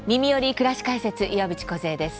くらし解説」岩渕梢です。